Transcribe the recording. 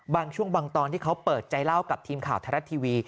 บางช่วงบางตอนที่เขาเปิดใจเล่ากับทีมข่าวไทยรัฐทีวี